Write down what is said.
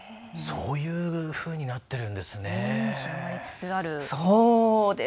そういうふうになってるんですね。